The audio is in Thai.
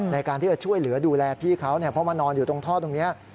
ในการที่จะช่วยเหลือดูแลพี่เขาเพราะมานอนอยู่ตรงท่อตรงนี้